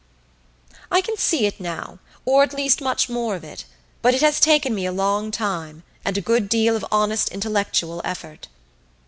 I can see it now, or at least much more of it, but it has taken me a long time, and a good deal of honest intellectual effort.